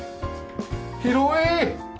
広い！